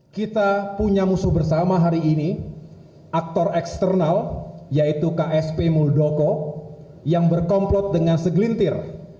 kita punya musuh bersama hari ini aktor eksternal yaitu ksp muldoko yang berkomplot dengan segelintir